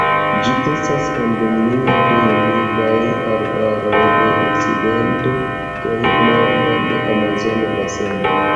Ĝi estas endemia de humidaj arbaroj de okcidento kaj nordo de Amazona Baseno.